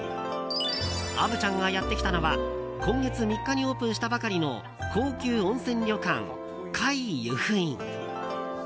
虻ちゃんがやってきたのは今月３日にオープンしたばかりの高級温泉旅館界由布院。